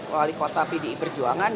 wali kota pdi perjuangan